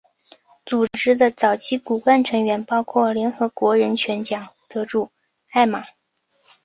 组织的早期骨干成员包括联合国人权奖得主艾玛。